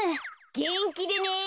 げんきでね。